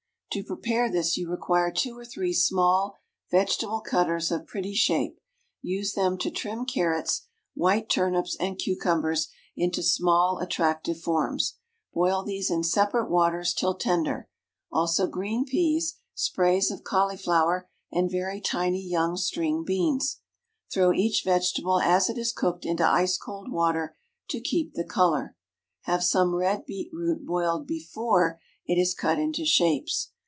_ To prepare this you require two or three small vegetable cutters of pretty shape; use them to trim carrots, white turnips, and cucumbers into small, attractive forms; boil these in separate waters till tender; also green peas, sprays of cauliflower, and very tiny young string beans. Throw each vegetable as it is cooked into ice cold water to keep the color. Have some red beet root boiled before it is cut into shapes.